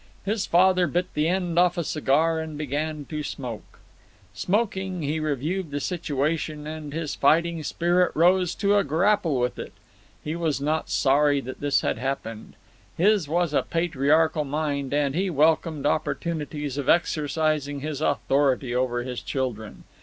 His father bit the end off a cigar and began to smoke. Smoking, he reviewed the situation, and his fighting spirit rose to grapple with it. He was not sorry that this had happened. His was a patriarchal mind, and he welcomed opportunities of exercising his authority over his children.